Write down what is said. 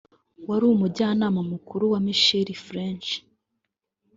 wari Umujyanama mukuru wa Michel Flesch